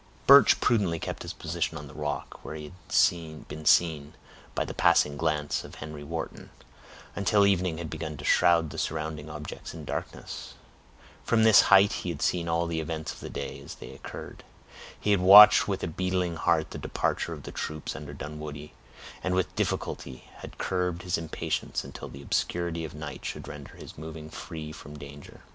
Birch prudently kept his position on the rock, where he had been seen by the passing glance of Henry Wharton, until evening had begun to shroud the surrounding objects in darkness. From this height he had seen all the events of the day, as they occurred. He had watched with a beating heart the departure of the troops under Dunwoodie, and with difficulty had curbed his impatience until the obscurity of night should render his moving free from danger.